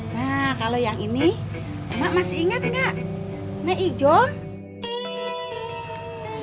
nah kalau yang ini masih ingat nggak nek ijom